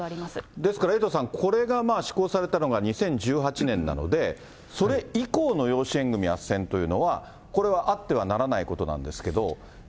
ですからエイトさん、これが施行されたのが２０１８年なので、それ以降の養子縁組あっせんというのは、これはあってはならないことなんですけど。